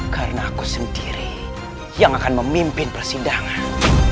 karena aku sendiri yang akan memimpin persidangan